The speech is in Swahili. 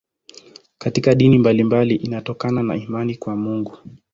Katika dini mbalimbali inatokana na imani kwa Mungu.